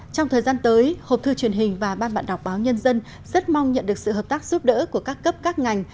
trong thời gian tới hộp thư truyền hình và ban bạn đọc báo nhân dân rất mong nhận được sự hợp tác giúp đỡ của các cấp các ngành